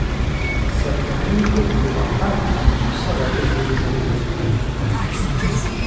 Сэтэней къыгурыӀуэпат и чысэр абы зэи зэрыримытынур.